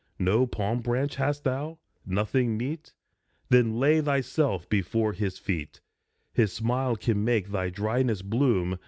No palm branch hast thou ? Nothing meet ? Then lay thyself before his feet. His smile can make thy dryness bloom.